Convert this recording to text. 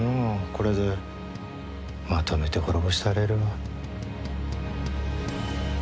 これでまとめて滅ぼしたれるわ。